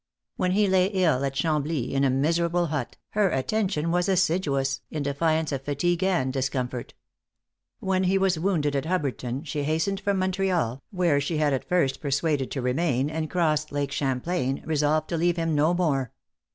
When he lay ill at Chambly, in a miserable hut, her attention was assiduous, in defiance of fatigue and discomfort. When he was wounded at Hubbardton, she hastened from Montreal, where she had been at first persuaded to remain, and crossed Lake Champlain, resolved to leave him no more.